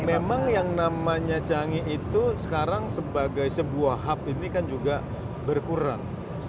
memang yang namanya canggih itu sekarang sebagai sebuah hub ini kan juga berkurang